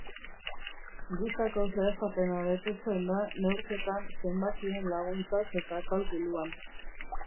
Gisako zehaztapena betetzen da neurketan zenbakien laguntzaz eta kalkuluan.